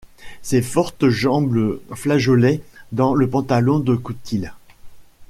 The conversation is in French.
Ses fortes jambes flageolaient dans le pantalon de coutil.